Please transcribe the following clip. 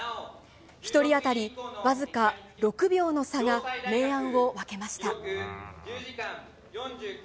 １人当たり、わずか６秒の差が明暗を分けました。